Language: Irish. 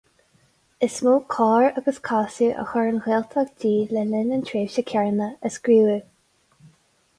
Is mó cor agus casadh a chuir an Ghaeltacht di le linn na tréimhse céanna, a scríobhadh.